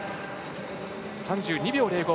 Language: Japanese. ３２秒０５。